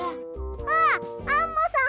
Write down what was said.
あっアンモさん！